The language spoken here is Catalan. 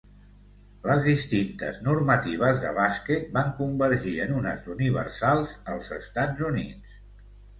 Les distintes normatives de bàsquet van convergir en unes d'universals als Estats Units.